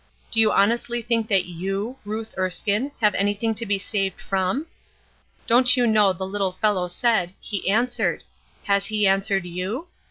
Do you honestly think that you, Ruth Erskine, have anything to be saved from? Don't you know the little fellow said, 'He answered.' Has He answered you?